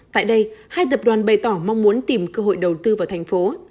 tại đây hai tập đoàn bày tỏ mong muốn tìm cơ hội đầu tư vào thành phố